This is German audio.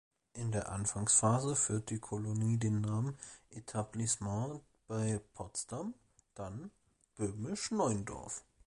In der Anfangsphase führte die Kolonie den Namen „Etablissement bei Potsdam“, dann „Böhmisch Neuendorf“.